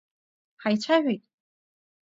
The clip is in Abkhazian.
Ҳаицәажәеит?